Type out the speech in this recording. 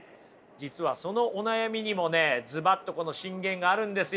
実はそのお悩みにもねズバッとこの箴言があるんですよ。